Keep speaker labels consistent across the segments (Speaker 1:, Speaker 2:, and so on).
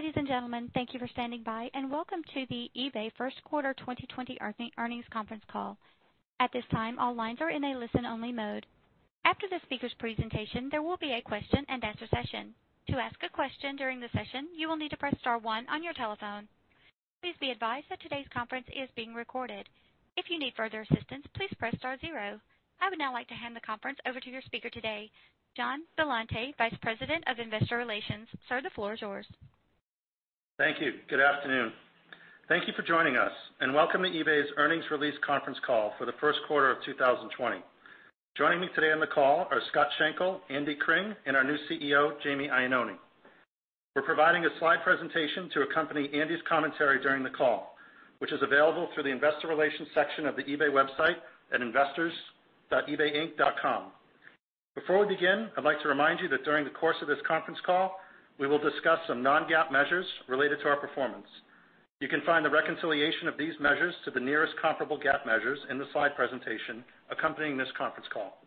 Speaker 1: Ladies and gentlemen, thank you for standing by, and welcome to the eBay First Quarter 2020 earnings conference call. At this time, all lines are in a listen-only mode. After the speaker's presentation, there will be a question and answer session. To ask a question during the session, you will need to press star one on your telephone. Please be advised that today's conference is being recorded. If you need further assistance, please press star zero. I would now like to hand the conference over to your speaker today, Joe Billante, Vice President of Investor Relations. Sir, the floor is yours.
Speaker 2: Thank you. Good afternoon. Thank you for joining us, and welcome to eBay's earnings release conference call for the first quarter of 2020. Joining me today on the call are Scott Schenkel, Andy Cring, and our new CEO, Jamie Iannone. We're providing a slide presentation to accompany Andy's commentary during the call, which is available through the investor relations section of the eBay website at investors.ebayinc.com. Before we begin, I'd like to remind you that during the course of this conference call, we will discuss some non-GAAP measures related to our performance. You can find the reconciliation of these measures to the nearest comparable GAAP measures in the slide presentation accompanying this conference call.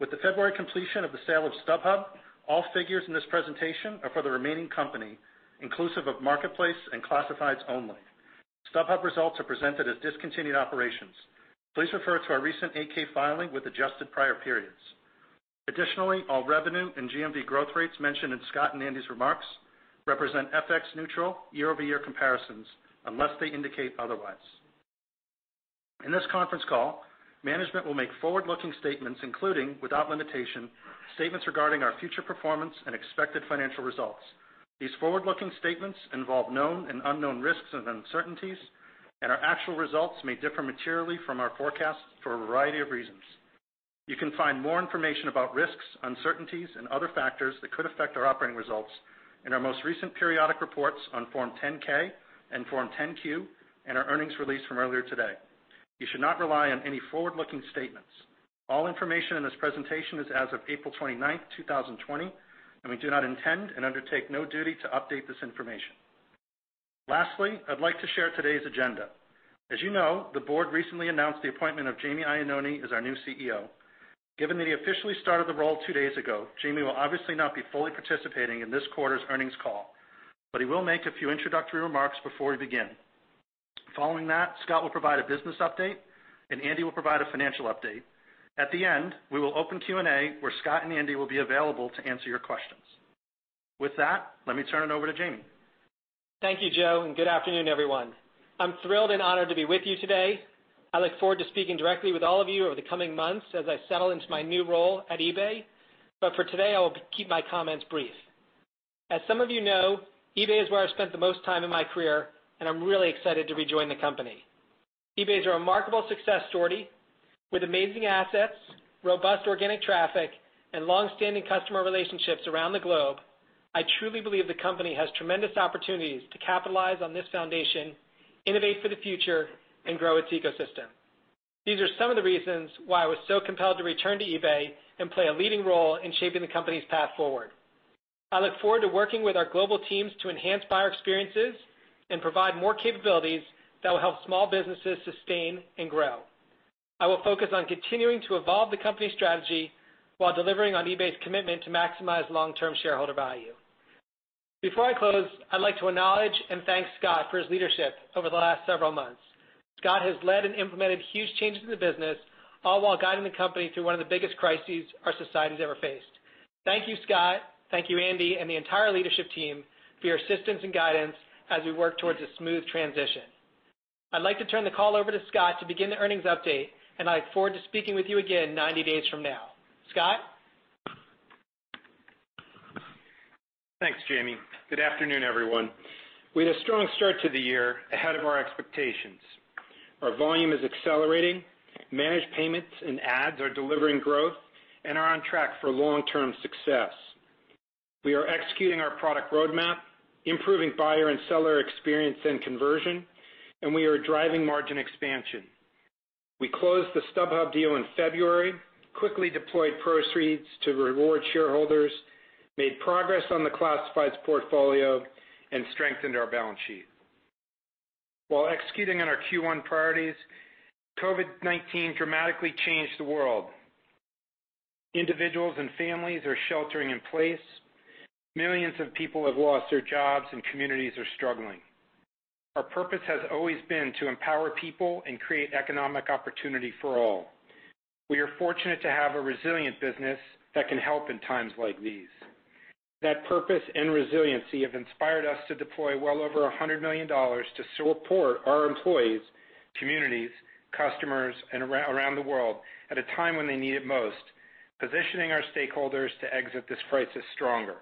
Speaker 2: With the February completion of the sale of StubHub, all figures in this presentation are for the remaining company, inclusive of marketplace and classifieds only. StubHub results are presented as discontinued operations. Please refer to our recent 8-K filing with adjusted prior periods. Additionally, all revenue and GMV growth rates mentioned in Scott and Andy's remarks represent FX neutral year-over-year comparisons unless they indicate otherwise. In this conference call, management will make forward-looking statements, including, without limitation, statements regarding our future performance and expected financial results. These forward-looking statements involve known and unknown risks and uncertainties, and our actual results may differ materially from our forecasts for a variety of reasons. You can find more information about risks, uncertainties, and other factors that could affect our operating results in our most recent periodic reports on Form 10-K and Form 10-Q and our earnings release from earlier today. You should not rely on any forward-looking statements. All information in this presentation is as of April 29, 2020, and we do not intend and undertake no duty to update this information. Lastly, I'd like to share today's agenda. As you know, the board recently announced the appointment of Jamie Iannone as our new CEO. Given that he officially started the role two days ago, Jamie will obviously not be fully participating in this quarter's earnings call, but he will make a few introductory remarks before we begin. Following that, Scott will provide a business update, and Andy will provide a financial update. At the end, we will open Q&A, where Scott and Andy will be available to answer your questions. With that, let me turn it over to Jamie.
Speaker 3: Thank you, Joe, and good afternoon, everyone. I'm thrilled and honored to be with you today. I look forward to speaking directly with all of you over the coming months as I settle into my new role at eBay. For today, I will keep my comments brief. As some of you know, eBay is where I've spent the most time in my career, and I'm really excited to rejoin the company. eBay is a remarkable success story with amazing assets, robust organic traffic, and long-standing customer relationships around the globe. I truly believe the company has tremendous opportunities to capitalize on this foundation, innovate for the future, and grow its ecosystem. These are some of the reasons why I was so compelled to return to eBay and play a leading role in shaping the company's path forward. I look forward to working with our global teams to enhance buyer experiences and provide more capabilities that will help small businesses sustain and grow. I will focus on continuing to evolve the company's strategy while delivering on eBay's commitment to maximize long-term shareholder value. Before I close, I'd like to acknowledge and thank Scott for his leadership over the last several months. Scott has led and implemented huge changes in the business, all while guiding the company through one of the biggest crises our society has ever faced. Thank you, Scott. Thank you, Andy, and the entire leadership team for your assistance and guidance as we work towards a smooth transition. I'd like to turn the call over to Scott to begin the earnings update, and I look forward to speaking with you again 90 days from now. Scott?
Speaker 4: Thanks, Jamie. Good afternoon, everyone. We had a strong start to the year, ahead of our expectations. Our volume is accelerating, managed payments and ads are delivering growth and are on track for long-term success. We are executing our product roadmap, improving buyer and seller experience and conversion, and we are driving margin expansion. We closed the StubHub deal in February, quickly deployed proceeds to reward shareholders, made progress on the classifieds portfolio, and strengthened our balance sheet. While executing on our Q1 priorities, COVID-19 dramatically changed the world. Individuals and families are sheltering in place. Millions of people have lost their jobs, and communities are struggling. Our purpose has always been to empower people and create economic opportunity for all. We are fortunate to have a resilient business that can help in times like these. That purpose and resiliency have inspired us to deploy well over $100 million to support our employees, communities, customers around the world at a time when they need it most, positioning our stakeholders to exit this crisis stronger.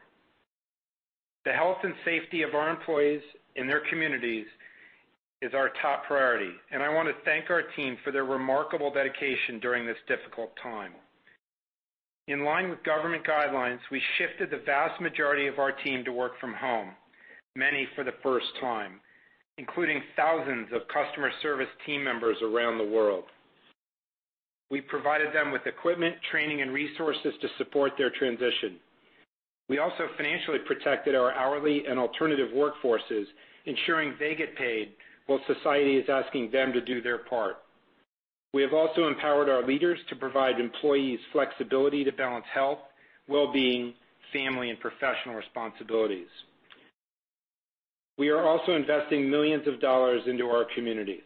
Speaker 4: The health and safety of our employees and their communities is our top priority, and I want to thank our team for their remarkable dedication during this difficult time. In line with government guidelines, we shifted the vast majority of our team to work from home, many for the first time, including thousands of customer service team members around the world. We provided them with equipment, training, and resources to support their transition. We also financially protected our hourly and alternative workforces, ensuring they get paid while society is asking them to do their part. We have also empowered our leaders to provide employees flexibility to balance health, wellbeing, family, and professional responsibilities. We are also investing millions of dollars into our communities.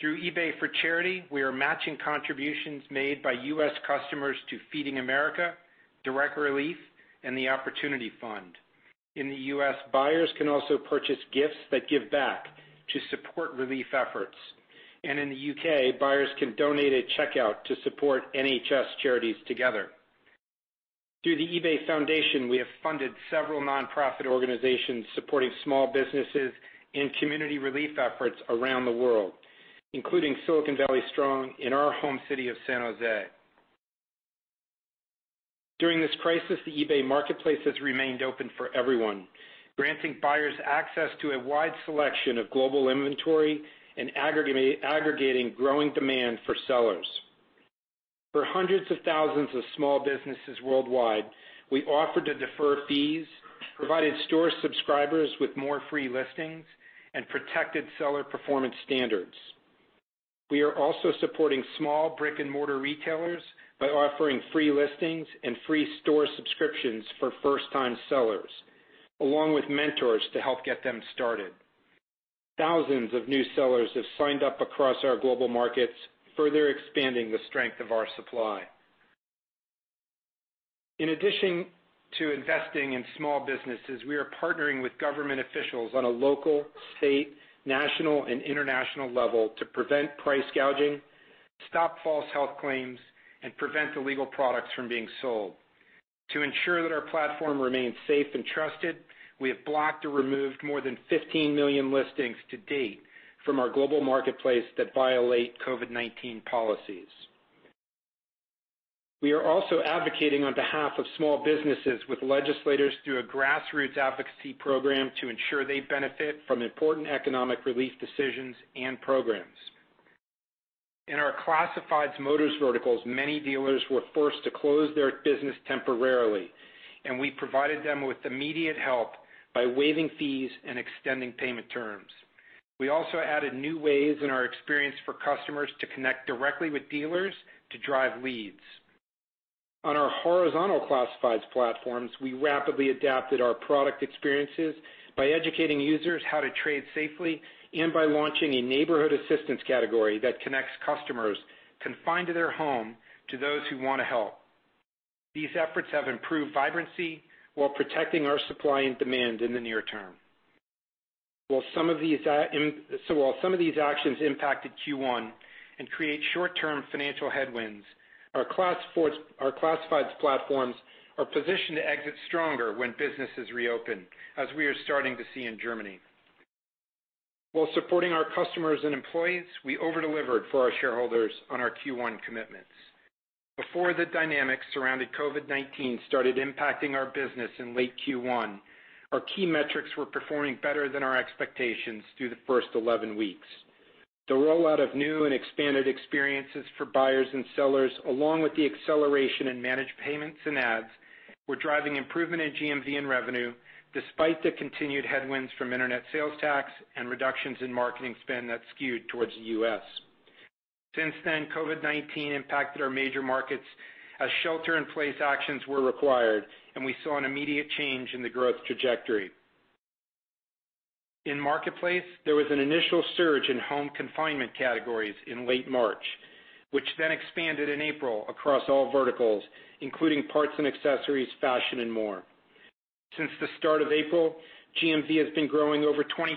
Speaker 4: Through eBay for Charity, we are matching contributions made by U.S. customers to Feeding America, Direct Relief, and The Opportunity Fund. In the U.S., buyers can also purchase gifts that give back to support relief efforts. In the U.K., buyers can donate at checkout to support NHS Charities Together. Through the eBay Foundation, we have funded several nonprofit organizations supporting small businesses and community relief efforts around the world, including Silicon Valley Strong in our home city of San Jose. During this crisis, the eBay marketplace has remained open for everyone, granting buyers access to a wide selection of global inventory and aggregating growing demand for sellers. For hundreds of thousands of small businesses worldwide, we offered to defer fees, provided store subscribers with more free listings, and protected seller performance standards. We are also supporting small brick-and-mortar retailers by offering free listings and free store subscriptions for first-time sellers, along with mentors to help get them started. Thousands of new sellers have signed up across our global markets, further expanding the strength of our supply. In addition to investing in small businesses, we are partnering with government officials on a local, state, national, and international level to prevent price gouging, stop false health claims, and prevent illegal products from being sold. To ensure that our platform remains safe and trusted, we have blocked or removed more than 15 million listings to date from our global marketplace that violate COVID-19 policies. We are also advocating on behalf of small businesses with legislators through a grassroots advocacy program to ensure they benefit from important economic relief decisions and programs. In our classifieds motors verticals, many dealers were forced to close their business temporarily, and we provided them with immediate help by waiving fees and extending payment terms. We also added new ways in our experience for customers to connect directly with dealers to drive leads. On our horizontal classifieds platforms, we rapidly adapted our product experiences by educating users how to trade safely and by launching a neighborhood assistance category that connects customers confined to their home to those who want to help. These efforts have improved vibrancy while protecting our supply and demand in the near term. While some of these actions impacted Q1 and create short-term financial headwinds, our classifieds platforms are positioned to exit stronger when business is reopened, as we are starting to see in Germany. While supporting our customers and employees, we over-delivered for our shareholders on our Q1 commitments. Before the dynamics surrounding COVID-19 started impacting our business in late Q1, our key metrics were performing better than our expectations through the first 11 weeks. The rollout of new and expanded experiences for buyers and sellers, along with the acceleration in managed payments and ads, were driving improvement in GMV and revenue, despite the continued headwinds from internet sales tax and reductions in marketing spend that skewed towards the U.S. Since then, COVID-19 impacted our major markets as shelter-in-place actions were required, and we saw an immediate change in the growth trajectory. In Marketplace, there was an initial surge in home confinement categories in late March, which then expanded in April across all verticals, including parts and accessories, fashion, and more. Since the start of April, GMV has been growing over 20%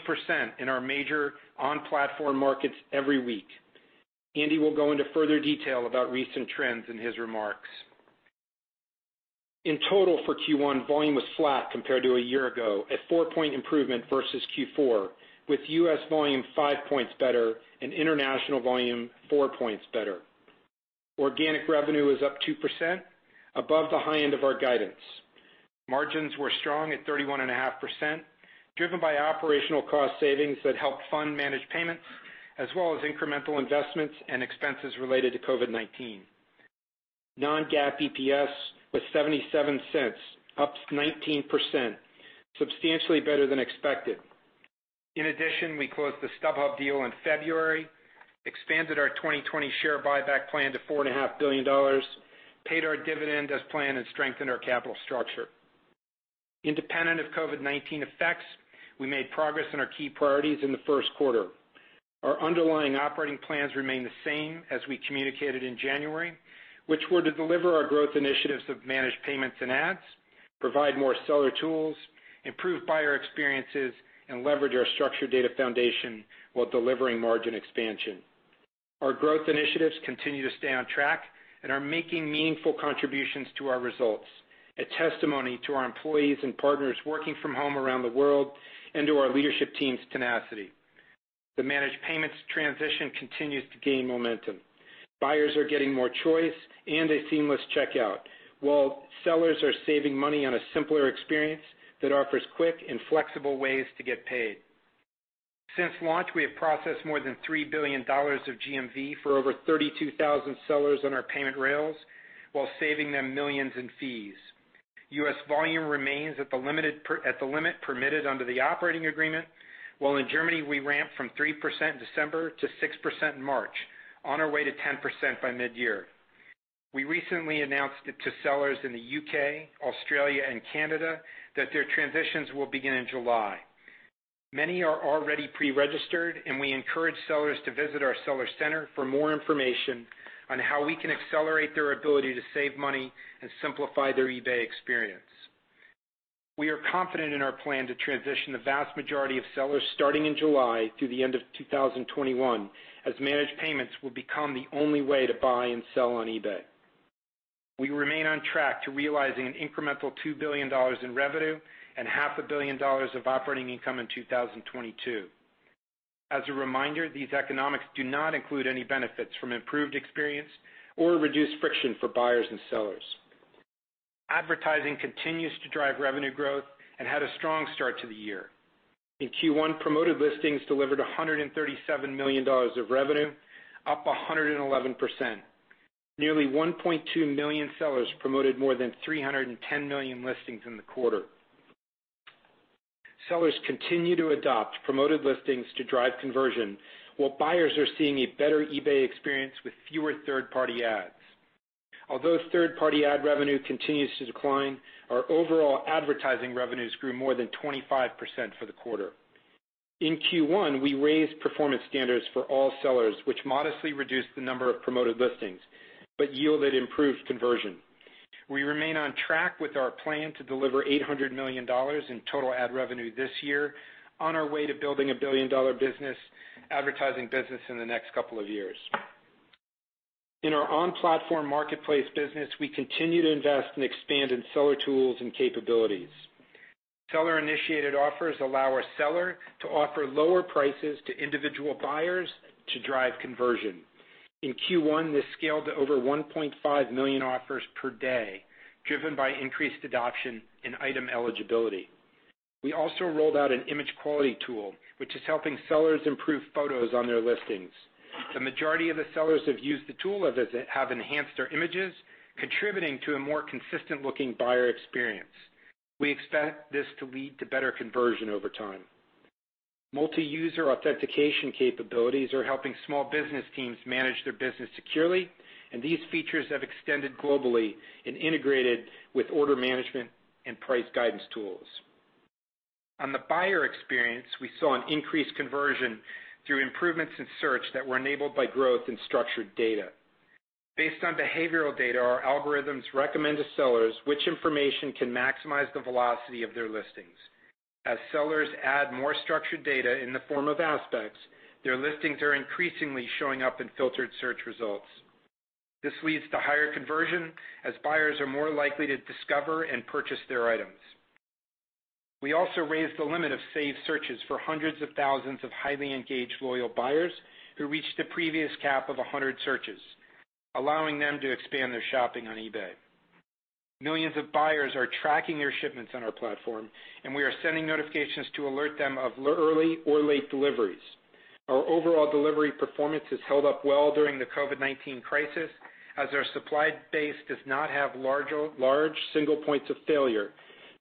Speaker 4: in our major on-platform markets every week. Andy will go into further detail about recent trends in his remarks. In total for Q1, volume was flat compared to a year ago, a four-point improvement versus Q4, with U.S. volume five points better and international volume four points better. Organic revenue is up 2%, above the high end of our guidance. Margins were strong at 31.5%, driven by operational cost savings that helped fund managed payments, as well as incremental investments and expenses related to COVID-19. Non-GAAP EPS was $0.77, up 19%, substantially better than expected. We closed the StubHub deal in February, expanded our 2020 share buyback plan to $4.5 billion, paid our dividend as planned, and strengthened our capital structure. Independent of COVID-19 effects, we made progress on our key priorities in the first quarter. Our underlying operating plans remain the same as we communicated in January, which were to deliver our growth initiatives of managed payments and ads, provide more seller tools, improve buyer experiences, and leverage our structured data foundation while delivering margin expansion. Our growth initiatives continue to stay on track and are making meaningful contributions to our results, a testimony to our employees and partners working from home around the world, and to our leadership team's tenacity. The managed payments transition continues to gain momentum. Buyers are getting more choice and a seamless checkout, while sellers are saving money on a simpler experience that offers quick and flexible ways to get paid. Since launch, we have processed more than $3 billion of GMV for over 32,000 sellers on our payment rails while saving them millions in fees. U.S. volume remains at the limit permitted under the operating agreement, while in Germany we ramped from 3% December to 6% March, on our way to 10% by mid-year. We recently announced it to sellers in the U.K., Australia, and Canada that their transitions will begin in July. Many are already pre-registered, and we encourage sellers to visit our seller center for more information on how we can accelerate their ability to save money and simplify their eBay experience. We are confident in our plan to transition the vast majority of sellers starting in July through the end of 2021, as managed payments will become the only way to buy and sell on eBay. We remain on track to realizing an incremental $2 billion in revenue and half a billion dollars of operating income in 2022. As a reminder, these economics do not include any benefits from improved experience or reduced friction for buyers and sellers. Advertising continues to drive revenue growth and had a strong start to the year. In Q1, Promoted Listings delivered $137 million of revenue, up 111%. Nearly 1.2 million sellers promoted more than 310 million listings in the quarter. Sellers continue to adopt Promoted Listings to drive conversion, while buyers are seeing a better eBay experience with fewer third-party ads. Although third-party ad revenue continues to decline, our overall advertising revenues grew more than 25% for the quarter. In Q1, we raised performance standards for all sellers, which modestly reduced the number of Promoted Listings, but yielded improved conversion. We remain on track with our plan to deliver $800 million in total ad revenue this year on our way to building a billion-dollar advertising business in the next couple of years. In our on-platform marketplace business, we continue to invest and expand in seller tools and capabilities. Seller-initiated offers allow a seller to offer lower prices to individual buyers to drive conversion. In Q1, this scaled to over 1.5 million offers per day, driven by increased adoption in item eligibility. We also rolled out an image quality tool, which is helping sellers improve photos on their listings. The majority of the sellers who have used the tool have enhanced their images, contributing to a more consistent-looking buyer experience. We expect this to lead to better conversion over time. Multi-user authentication capabilities are helping small business teams manage their business securely, and these features have extended globally and integrated with order management and price guidance tools. On the buyer experience, we saw an increased conversion through improvements in search that were enabled by growth in structured data. Based on behavioral data, our algorithms recommend to sellers which information can maximize the velocity of their listings. As sellers add more structured data in the form of aspects, their listings are increasingly showing up in filtered search results. This leads to higher conversion, as buyers are more likely to discover and purchase their items. We also raised the limit of saved searches for hundreds of thousands of highly engaged, loyal buyers who reached a previous cap of 100 searches, allowing them to expand their shopping on eBay. Millions of buyers are tracking their shipments on our platform, and we are sending notifications to alert them of early or late deliveries. Our overall delivery performance has held up well during the COVID-19 crisis, as our supply base does not have large single points of failure,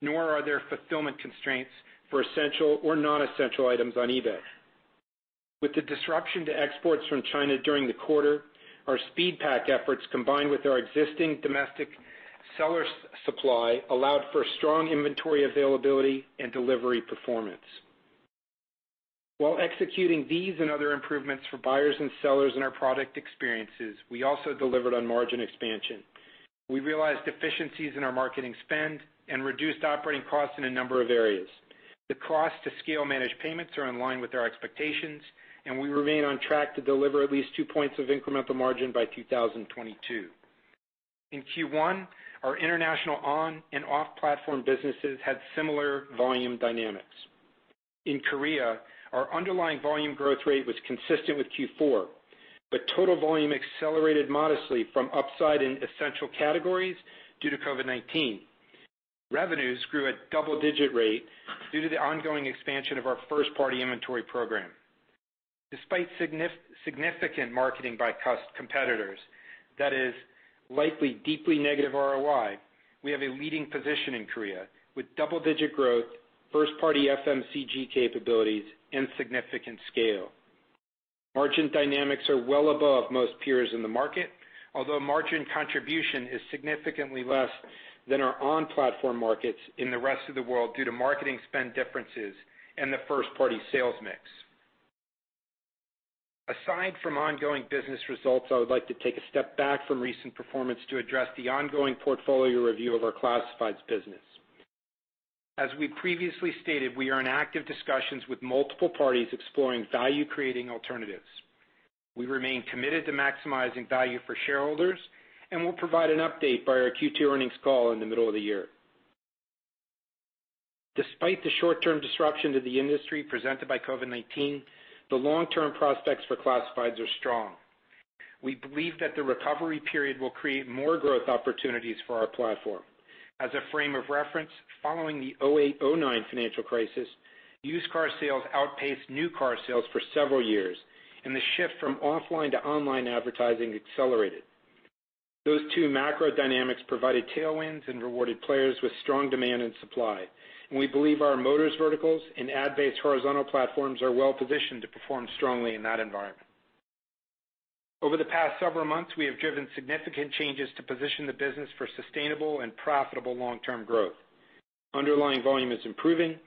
Speaker 4: nor are there fulfillment constraints for essential or non-essential items on eBay. With the disruption to exports from China during the quarter, our SpeedPAK efforts, combined with our existing domestic seller supply, allowed for strong inventory availability and delivery performance. While executing these and other improvements for buyers and sellers in our product experiences, we also delivered on margin expansion. We realized efficiencies in our marketing spend and reduced operating costs in a number of areas. The cost to scale managed payments are in line with our expectations, and we remain on track to deliver at least two points of incremental margin by 2022. In Q1, our international on and off-platform businesses had similar volume dynamics. In Korea, our underlying volume growth rate was consistent with Q4, but total volume accelerated modestly from upside in essential categories due to COVID-19. Revenues grew at double-digit rate due to the ongoing expansion of our first-party inventory program. Despite significant marketing by competitors that is likely deeply negative ROI, we have a leading position in Korea with double-digit growth, first-party FMCG capabilities, and significant scale. Margin dynamics are well above most peers in the market, although margin contribution is significantly less than our on-platform markets in the rest of the world due to marketing spend differences and the first-party sales mix. Aside from ongoing business results, I would like to take a step back from recent performance to address the ongoing portfolio review of our classifieds business. As we previously stated, we are in active discussions with multiple parties exploring value-creating alternatives. We remain committed to maximizing value for shareholders, and we'll provide an update by our Q2 earnings call in the middle of the year. Despite the short-term disruption to the industry presented by COVID-19, the long-term prospects for classifieds are strong. We believe that the recovery period will create more growth opportunities for our platform. As a frame of reference, following the 2008-2009 financial crisis, used car sales outpaced new car sales for several years, and the shift from offline to online advertising accelerated. Those two macro dynamics provided tailwinds and rewarded players with strong demand and supply. We believe our motors verticals and ad-based horizontal platforms are well-positioned to perform strongly in that environment. Over the past several months, we have driven significant changes to position the business for sustainable and profitable long-term growth. Underlying volume is improving,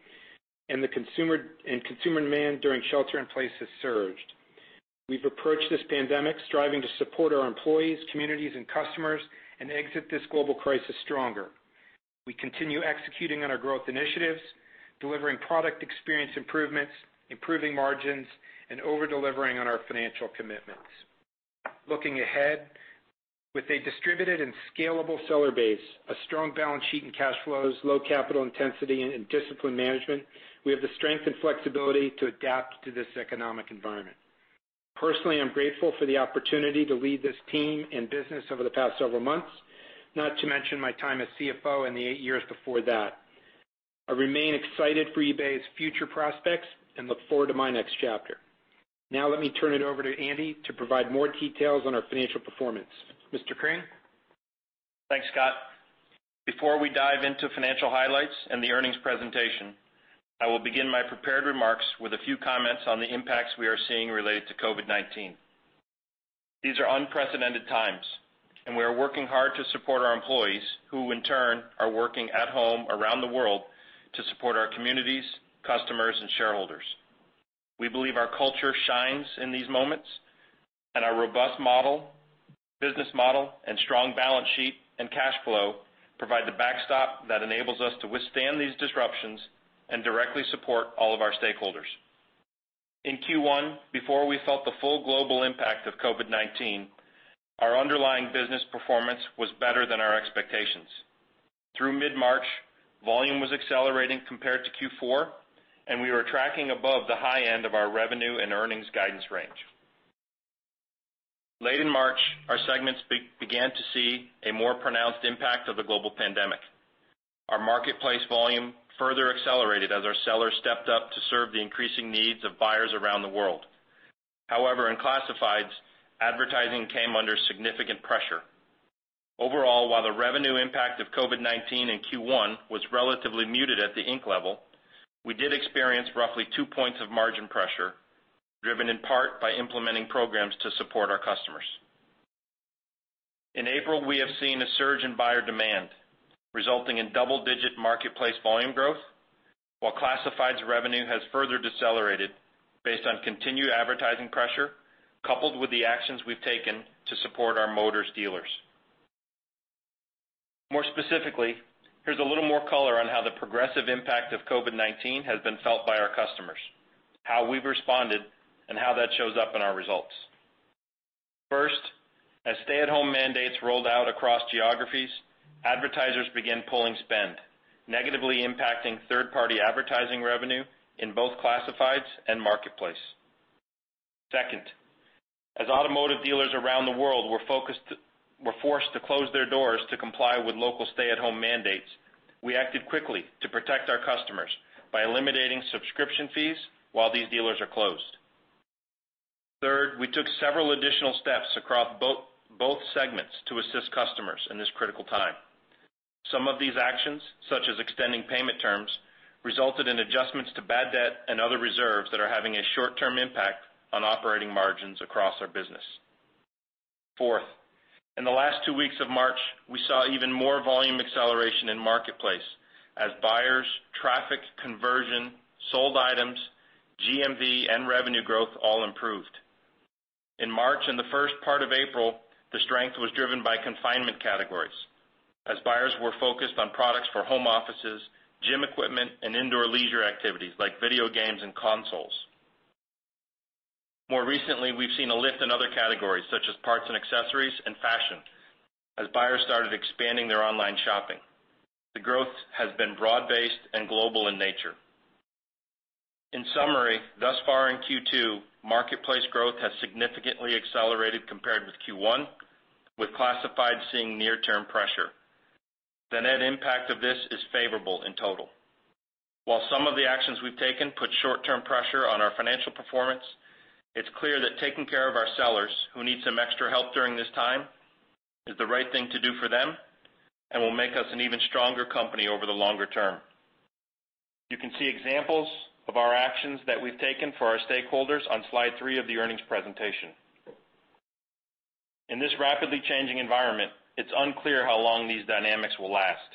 Speaker 4: and consumer demand during shelter in place has surged. We've approached this pandemic striving to support our employees, communities, and customers and exit this global crisis stronger. We continue executing on our growth initiatives, delivering product experience improvements, improving margins, and over-delivering on our financial commitments. Looking ahead, with a distributed and scalable seller base, a strong balance sheet and cash flows, low capital intensity, and disciplined management, we have the strength and flexibility to adapt to this economic environment. Personally, I'm grateful for the opportunity to lead this team and business over the past several months, not to mention my time as CFO and the eight years before that. I remain excited for eBay's future prospects and look forward to my next chapter. Now let me turn it over to Andy to provide more details on our financial performance. Mr. Cring?
Speaker 5: Thanks, Scott. Before we dive into financial highlights and the earnings presentation, I will begin my prepared remarks with a few comments on the impacts we are seeing related to COVID-19. These are unprecedented times, and we are working hard to support our employees, who in turn are working at home around the world to support our communities, customers, and shareholders. We believe our culture shines in these moments, and our robust business model and strong balance sheet and cash flow provide the backstop that enables us to withstand these disruptions and directly support all of our stakeholders. In Q1, before we felt the full global impact of COVID-19, our underlying business performance was better than our expectations. Through mid-March, volume was accelerating compared to Q4, and we were tracking above the high end of our revenue and earnings guidance range. Late in March, our segments began to see a more pronounced impact of the global pandemic. Our marketplace volume further accelerated as our sellers stepped up to serve the increasing needs of buyers around the world. In classifieds, advertising came under significant pressure. While the revenue impact of COVID-19 in Q1 was relatively muted at the Inc. level, we did experience roughly 2 points of margin pressure, driven in part by implementing programs to support our customers. In April, we have seen a surge in buyer demand, resulting in double-digit marketplace volume growth, while classifieds revenue has further decelerated based on continued advertising pressure, coupled with the actions we've taken to support our motors dealers. Here's a little more color on how the progressive impact of COVID-19 has been felt by our customers, how we've responded, and how that shows up in our results. First, as stay-at-home mandates rolled out across geographies, advertisers began pulling spend, negatively impacting third-party advertising revenue in both classifieds and marketplace. Second, as automotive dealers around the world were forced to close their doors to comply with local stay-at-home mandates, we acted quickly to protect our customers by eliminating subscription fees while these dealers are closed. Third, we took several additional steps across both segments to assist customers in this critical time. Some of these actions, such as extending payment terms, resulted in adjustments to bad debt and other reserves that are having a short-term impact on operating margins across our business. Fourth, in the last two weeks of March, we saw even more volume acceleration in marketplace as buyers, traffic conversion, sold items, GMV, and revenue growth all improved. In March and the first part of April, the strength was driven by confinement categories as buyers were focused on products for home offices, gym equipment, and indoor leisure activities like video games and consoles. More recently, we've seen a lift in other categories, such as parts and accessories and fashion, as buyers started expanding their online shopping. The growth has been broad-based and global in nature. In summary, thus far in Q2, marketplace growth has significantly accelerated compared with Q1, with classifieds seeing near-term pressure. The net impact of this is favorable in total. While some of the actions we've taken put short-term pressure on our financial performance, it's clear that taking care of our sellers who need some extra help during this time is the right thing to do for them and will make us an even stronger company over the longer term. You can see examples of our actions that we've taken for our stakeholders on slide three of the earnings presentation. In this rapidly changing environment, it's unclear how long these dynamics will last.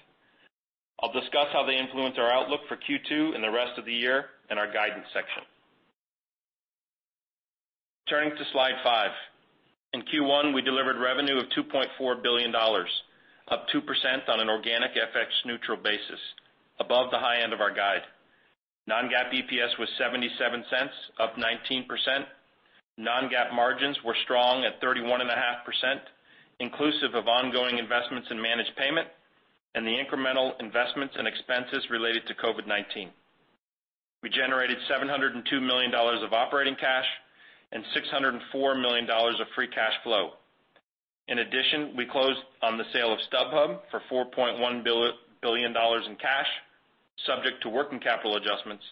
Speaker 5: I'll discuss how they influence our outlook for Q2 and the rest of the year in our guidance section. Turning to slide five. In Q1, we delivered revenue of $2.4 billion, up 2% on an organic FX neutral basis, above the high end of our guide. Non-GAAP EPS was $0.77, up 19%. Non-GAAP margins were strong at 31.5%, inclusive of ongoing investments in managed payments and the incremental investments and expenses related to COVID-19. We generated $702 million of operating cash and $604 million of free cash flow. In addition, we closed on the sale of StubHub for $4.1 billion in cash, subject to working capital adjustments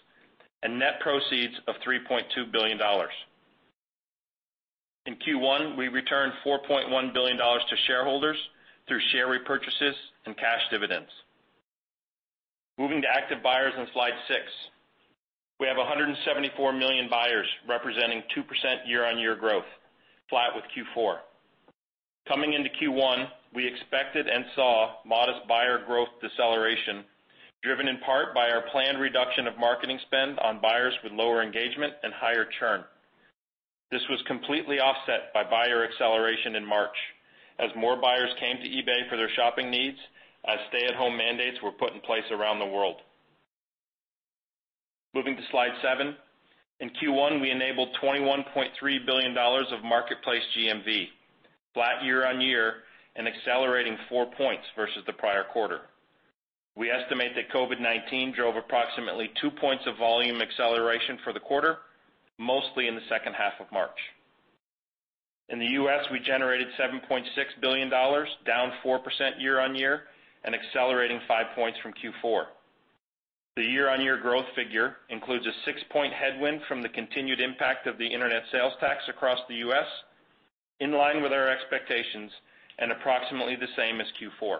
Speaker 5: and net proceeds of $3.2 billion. In Q1, we returned $4.1 billion to shareholders through share repurchases and cash dividends. Moving to active buyers on slide six. We have 174 million buyers representing 2% year-on-year growth, flat with Q4. Coming into Q1, we expected and saw modest buyer growth deceleration, driven in part by our planned reduction of marketing spend on buyers with lower engagement and higher churn. This was completely offset by buyer acceleration in March as more buyers came to eBay for their shopping needs as stay-at-home mandates were put in place around the world. Moving to slide seven. In Q1, we enabled $21.3 billion of marketplace GMV, flat year-on-year and accelerating four points versus the prior quarter. We estimate that COVID-19 drove approximately two points of volume acceleration for the quarter, mostly in the second half of March. In the U.S., we generated $7.6 billion, down 4% year-on-year, and accelerating five points from Q4. The year-on-year growth figure includes a six point headwind from the continued impact of the Internet Sales Tax across the U.S., in line with our expectations, and approximately the same as Q4.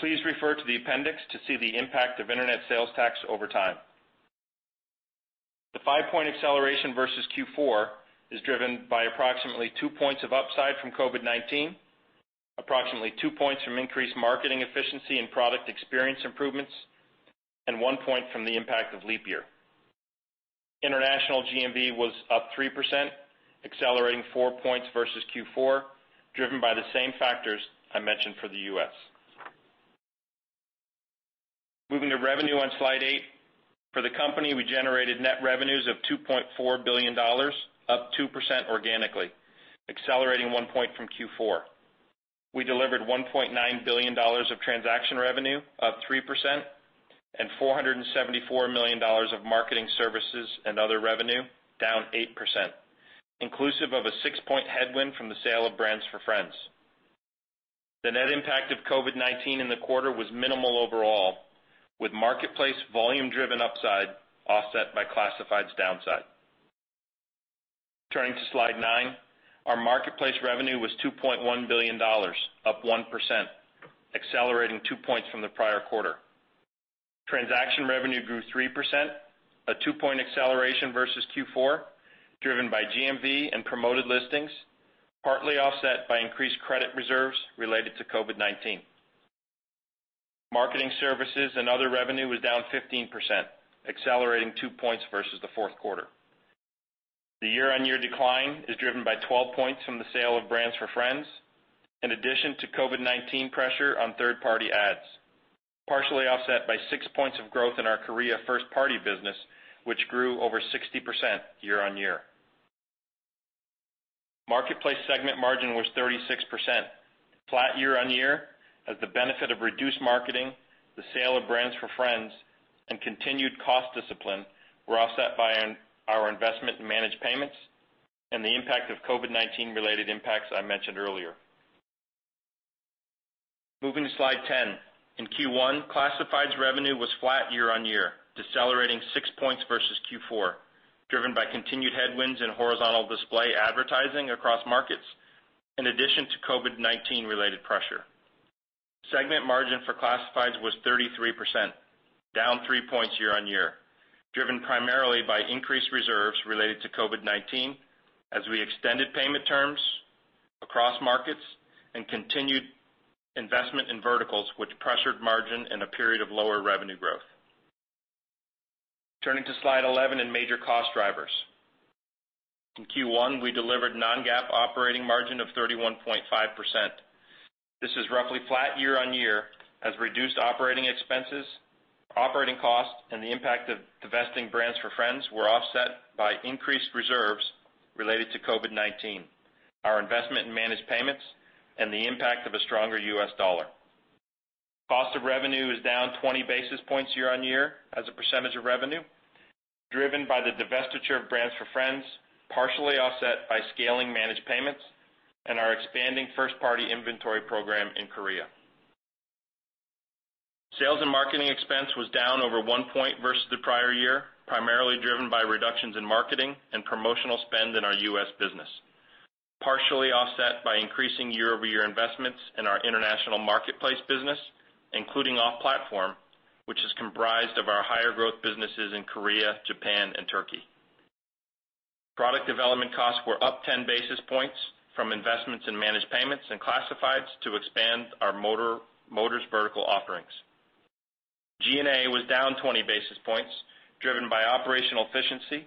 Speaker 5: Please refer to the appendix to see the impact of Internet Sales Tax over time. The five-point acceleration versus Q4 is driven by approximately two points of upside from COVID-19, approximately two points from increased marketing efficiency and product experience improvements, and one point from the impact of leap year. International GMV was up 3%, accelerating four points versus Q4, driven by the same factors I mentioned for the U.S. Moving to revenue on slide eight. For the company, we generated net revenues of $2.4 billion, up 2% organically, accelerating one point from Q4. We delivered $1.9 billion of transaction revenue, up 3%, and $474 million of marketing services and other revenue, down 8%, inclusive of a six-point headwind from the sale of brands4friends. The net impact of COVID-19 in the quarter was minimal overall, with marketplace volume-driven upside offset by classifieds downside. Turning to slide nine. Our marketplace revenue was $2.1 billion, up 1%, accelerating two points from the prior quarter. Transaction revenue grew 3%, a two-point acceleration versus Q4, driven by GMV and Promoted Listings, partly offset by increased credit reserves related to COVID-19. Marketing services and other revenue was down 15%, accelerating two points versus the fourth quarter. The year-on-year decline is driven by 12 points from the sale of brands4friends, in addition to COVID-19 pressure on third-party ads, partially offset by six points of growth in our Korea first-party business, which grew over 60% year-on-year. Marketplace segment margin was 36%, flat year-on-year, as the benefit of reduced marketing, the sale of brands4friends, and continued cost discipline were offset by our investment in managed payments and the impact of COVID-19 related impacts I mentioned earlier. Moving to slide 10. In Q1, classifieds revenue was flat year-on-year, decelerating six points versus Q4, driven by continued headwinds in horizontal display advertising across markets in addition to COVID-19 related pressure. Segment margin for classifieds was 33%, down three points year-on-year, driven primarily by increased reserves related to COVID-19 as we extended payment terms across markets and continued investment in verticals, which pressured margin in a period of lower revenue growth. Turning to slide 11 in major cost drivers. In Q1, we delivered non-GAAP operating margin of 31.5%. This is roughly flat year-on-year as reduced operating expenses, operating costs, and the impact of divesting brands4friends were offset by increased reserves related to COVID-19, our investment in managed payments, and the impact of a stronger US dollar. Cost of revenue is down 20 basis points year-on-year as a percentage of revenue, driven by the divestiture of brands4friends, partially offset by scaling managed payments and our expanding first-party inventory program in Korea. Sales and marketing expense was down over one point versus the prior year, primarily driven by reductions in marketing and promotional spend in our U.S. business, partially offset by increasing year-over-year investments in our international marketplace business, including off-platform, which is comprised of our higher growth businesses in Korea, Japan, and Turkey. Product development costs were up 10 basis points from investments in managed payments and classifieds to expand our motors vertical offerings. G&A was down 20 basis points, driven by operational efficiency,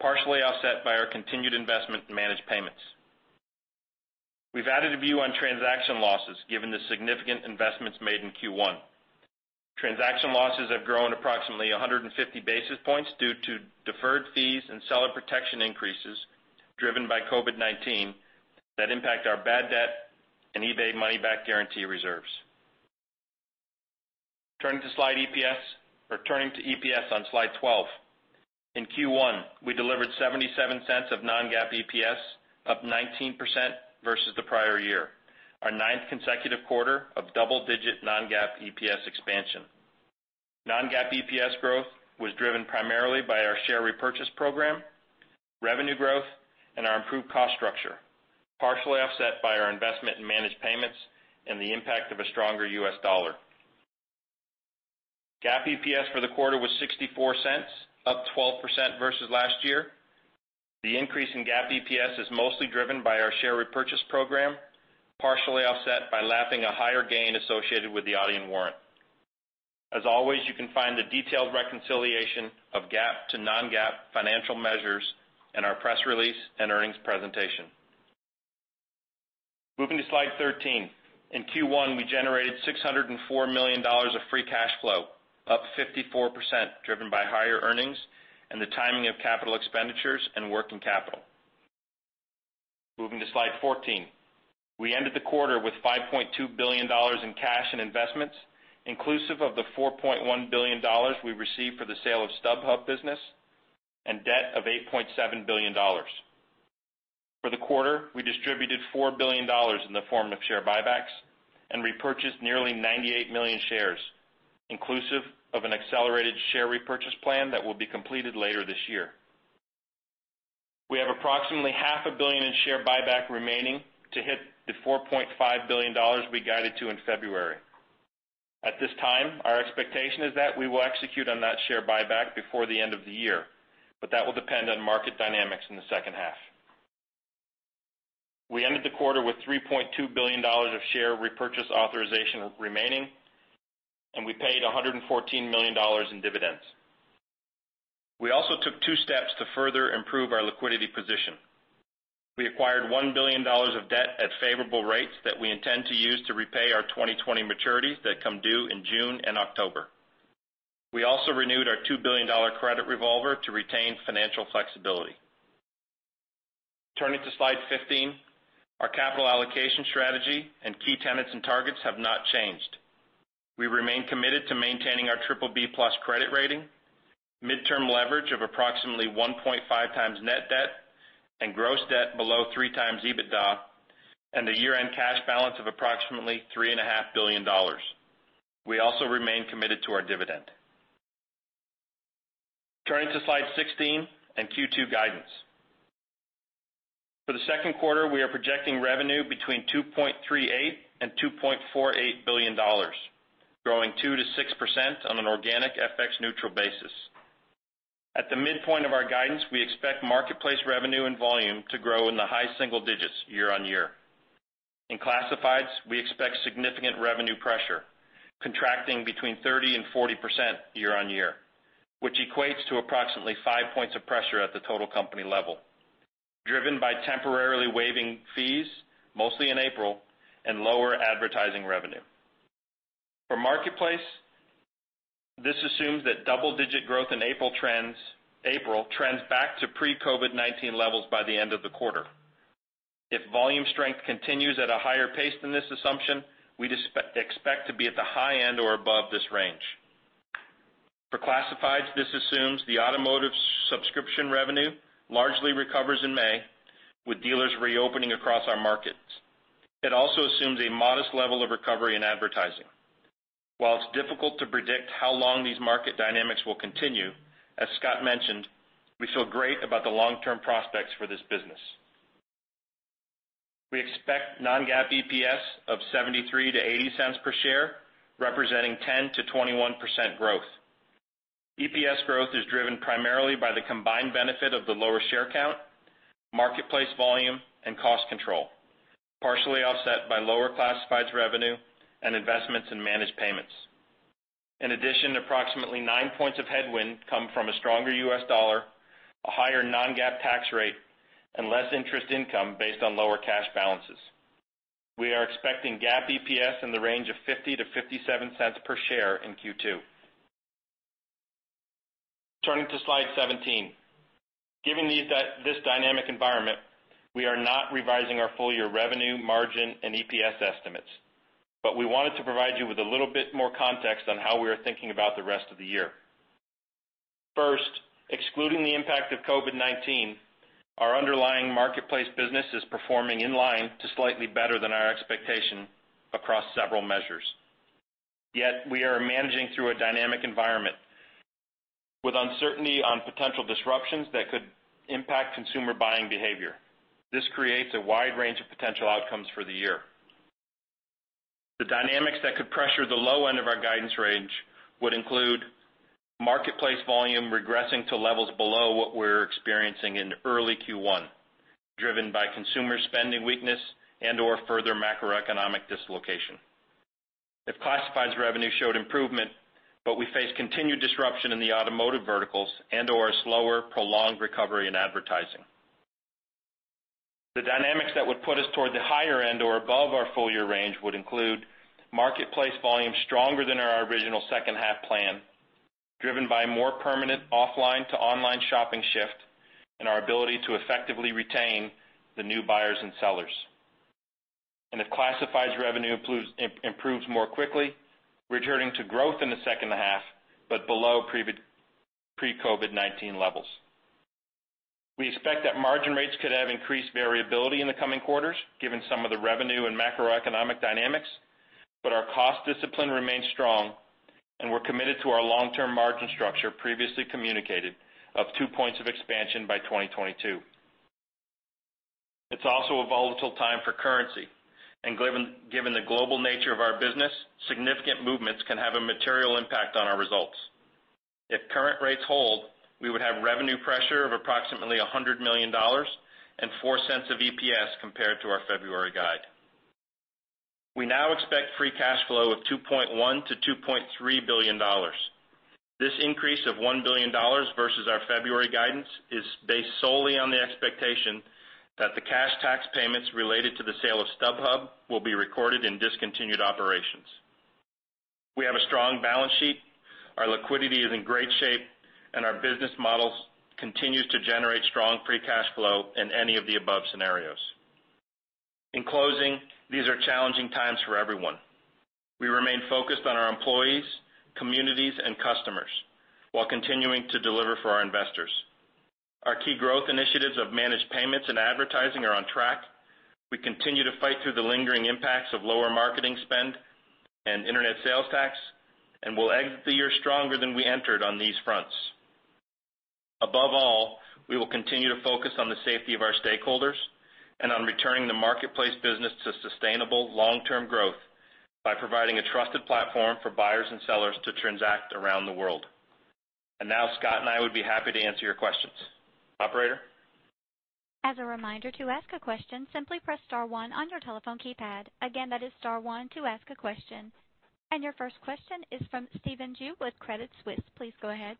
Speaker 5: partially offset by our continued investment in managed payments. We've added a view on transaction losses given the significant investments made in Q1. Transaction losses have grown approximately 150 basis points due to deferred fees and seller protection increases driven by COVID-19 that impact our bad debt and eBay Money Back Guarantee reserves. Turning to EPS on slide 12. In Q1, we delivered $0.77 of non-GAAP EPS, up 19% versus the prior year. Our ninth consecutive quarter of double-digit non-GAAP EPS expansion. Non-GAAP EPS growth was driven primarily by our share repurchase program, revenue growth, and our improved cost structure, partially offset by our investment in managed payments and the impact of a stronger US dollar. GAAP EPS for the quarter was $0.64, up 12% versus last year. The increase in GAAP EPS is mostly driven by our share repurchase program, partially offset by lapping a higher gain associated with the Adyen warrant. As always, you can find the detailed reconciliation of GAAP to non-GAAP financial measures in our press release and earnings presentation. Moving to slide 13. In Q1, we generated $604 million of free cash flow, up 54%, driven by higher earnings and the timing of capital expenditures and working capital. Moving to slide 14. We ended the quarter with $5.2 billion in cash and investments, inclusive of the $4.1 billion we received for the sale of StubHub business, and debt of $8.7 billion. For the quarter, we distributed $4 billion in the form of share buybacks and repurchased nearly 98 million shares, inclusive of an accelerated share repurchase plan that will be completed later this year. We have approximately half a billion in share buyback remaining to hit the $4.5 billion we guided to in February. At this time, our expectation is that we will execute on that share buyback before the end of the year, but that will depend on market dynamics in the second half. We ended the quarter with $3.2 billion of share repurchase authorization remaining, and we paid $114 million in dividends. We also took two steps to further improve our liquidity position. We acquired $1 billion of debt at favorable rates that we intend to use to repay our 2020 maturities that come due in June and October. We also renewed our $2 billion credit revolver to retain financial flexibility. Turning to slide 15. Our capital allocation strategy and key tenets and targets have not changed. We remain committed to maintaining our BBB+ credit rating, midterm leverage of approximately 1.5x net debt and gross debt below three times EBITDA, and a year-end cash balance of approximately $3.5 billion. We also remain committed to our dividend. Turning to slide 16 and Q2 guidance. For the second quarter, we are projecting revenue between $2.38 billion and $2.48 billion, growing 2%-6% on an organic FX neutral basis. At the midpoint of our guidance, we expect marketplace revenue and volume to grow in the high single digits year-on-year. In classifieds, we expect significant revenue pressure contracting between 30% and 40% year-on-year, which equates to approximately five points of pressure at the total company level, driven by temporarily waiving fees, mostly in April, and lower advertising revenue. For marketplace, this assumes that double-digit growth in April trends back to pre-COVID-19 levels by the end of the quarter. If volume strength continues at a higher pace than this assumption, we expect to be at the high end or above this range. For classifieds, this assumes the automotive subscription revenue largely recovers in May, with dealers reopening across our markets. It also assumes a modest level of recovery in advertising. While it's difficult to predict how long these market dynamics will continue, as Scott mentioned, we feel great about the long-term prospects for this business. We expect non-GAAP EPS of $0.73-$0.80 per share, representing 10%-21% growth. EPS growth is driven primarily by the combined benefit of the lower share count, marketplace volume, and cost control, partially offset by lower classifieds revenue and investments in Managed Payments. Approximately nine points of headwind come from a stronger US dollar, a higher non-GAAP tax rate, and less interest income based on lower cash balances. We are expecting GAAP EPS in the range of $0.50-$0.57 per share in Q2. Turning to slide 17. Given this dynamic environment, we are not revising our full-year revenue, margin, and EPS estimates. We wanted to provide you with a little bit more context on how we are thinking about the rest of the year. First, excluding the impact of COVID-19, our underlying marketplace business is performing in line to slightly better than our expectation across several measures. We are managing through a dynamic environment with uncertainty on potential disruptions that could impact consumer buying behavior. This creates a wide range of potential outcomes for the year. The dynamics that could pressure the low end of our guidance range would include marketplace volume regressing to levels below what we're experiencing in early Q1, driven by consumer spending weakness and/or further macroeconomic dislocation. If classifieds revenue showed improvement, but we face continued disruption in the automotive verticals or a slower, prolonged recovery in advertising. The dynamics that would put us toward the higher end or above our full-year range would include marketplace volume stronger than our original second half plan, driven by a more permanent offline-to-online shopping shift and our ability to effectively retain the new buyers and sellers. If classifieds revenue improves more quickly, returning to growth in the second half, but below pre-COVID-19 levels. We expect that margin rates could have increased variability in the coming quarters, given some of the revenue and macroeconomic dynamics, but our cost discipline remains strong, and we're committed to our long-term margin structure previously communicated of 2 points of expansion by 2022. It's also a volatile time for currency. Given the global nature of our business, significant movements can have a material impact on our results. If current rates hold, we would have revenue pressure of approximately $100 million and $0.04 of EPS compared to our February guide. We now expect free cash flow of $2.1 billion-$2.3 billion. This increase of $1 billion versus our February guidance is based solely on the expectation that the cash tax payments related to the sale of StubHub will be recorded in discontinued operations. We have a strong balance sheet. Our liquidity is in great shape, and our business model continues to generate strong free cash flow in any of the above scenarios. In closing, these are challenging times for everyone. We remain focused on our employees, communities, and customers while continuing to deliver for our investors. Our key growth initiatives of managed payments and advertising are on track. We continue to fight through the lingering impacts of lower marketing spend and Internet Sales Tax, and we'll exit the year stronger than we entered on these fronts. Above all, we will continue to focus on the safety of our stakeholders and on returning the marketplace business to sustainable long-term growth by providing a trusted platform for buyers and sellers to transact around the world. Now Scott and I would be happy to answer your questions. Operator.
Speaker 1: As a reminder, to ask a question, simply press star one on your telephone keypad. Again, that is star one to ask a question. Your first question is from Stephen Ju with Credit Suisse. Please go ahead.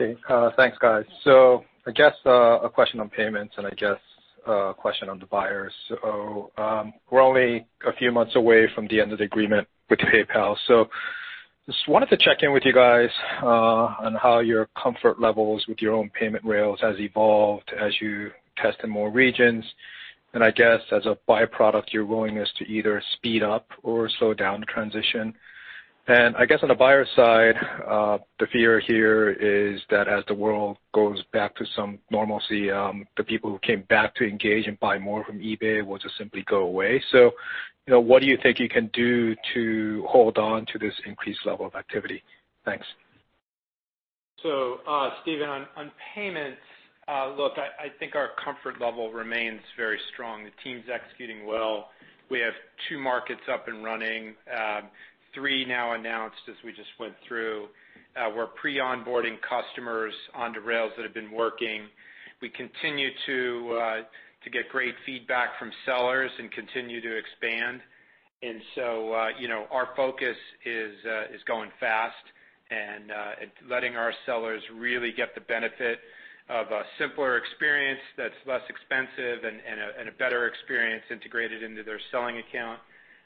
Speaker 6: Okay. Thanks, guys. I guess, a question on payments and I guess a question on the buyers. We're only a few months away from the end of the agreement with PayPal. Just wanted to check in with you guys, on how your comfort levels with your own payment rails has evolved as you test in more regions. I guess as a byproduct, your willingness to either speed up or slow down transition. I guess on the buyer side, the fear here is that as the world goes back to some normalcy, the people who came back to engage and buy more from eBay will just simply go away. What do you think you can do to hold on to this increased level of activity? Thanks.
Speaker 5: Stephen, on managed payments, look, I think our comfort level remains very strong. The team's executing well. We have two markets up and running, three now announced as we just went through. We're pre-onboarding customers onto rails that have been working. We continue to get great feedback from sellers and continue to expand. Our focus is going fast and letting our sellers really get the benefit of a simpler experience that's less expensive and a better experience integrated into their selling account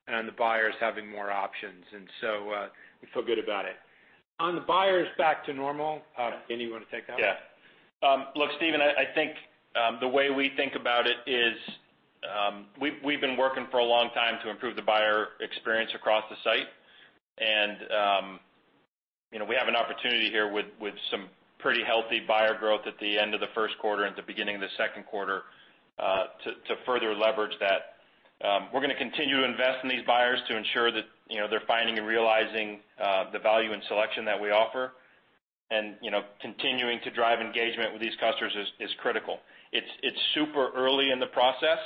Speaker 5: and on the buyers having more options. We feel good about it. On the buyers back to normal, Scott, do you want to take that?
Speaker 4: Yeah. Look, Stephen, I think, the way we think about it is, we've been working for a long time to improve the buyer experience across the site. We have an opportunity here with some pretty healthy buyer growth at the end of the first quarter and the beginning of the second quarter to further leverage that. We're going to continue to invest in these buyers to ensure that they're finding and realizing the value and selection that we offer. Continuing to drive engagement with these customers is critical. It's super early in the process.